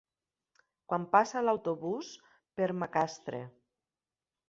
Quan passa l'autobús per Macastre?